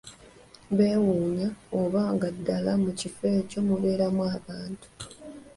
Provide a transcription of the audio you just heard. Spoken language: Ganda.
Bewuunya, oba nga ddala mu kifo ekyo mubeeramu abantu!